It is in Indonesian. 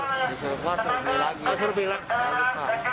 disuruh buah disuruh belak